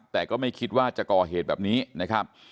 แต่ก็ไม่คิดว่าจะก่อเหตุแบบนี้นะครับ